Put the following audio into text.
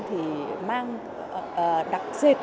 thì mang đặc dệt